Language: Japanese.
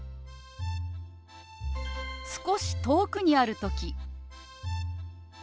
少し遠くにある時。